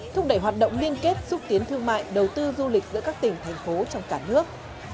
thúc đẩy hoạt động liên kết xúc tiến thương mại đầu tư du lịch giữa các tỉnh thành phố trong cả nước